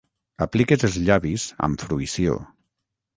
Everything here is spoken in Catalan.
Apliques els llavis amb fruïció.